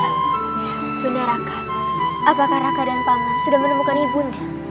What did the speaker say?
bunda raka apakah raka dan panggung sudah menemukan ibunda